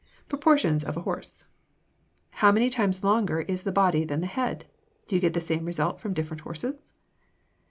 PROPORTIONS OF A HORSE 1. How many times longer is the body than the head? Do you get the same result from different horses?